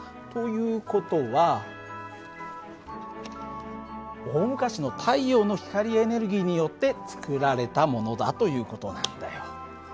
という事は大昔の太陽の光エネルギーによって作られたものだという事なんだよ。